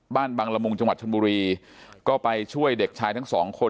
บ้านบางละมุงจนบุรีก็ไปช่วยเด็กชายทั้ง๒คน